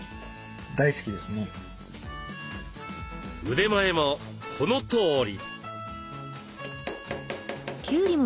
腕前もこのとおり。